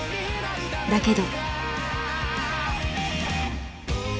だけど。